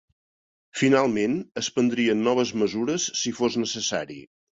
Finalment, es prendrien noves mesures si fos necessari.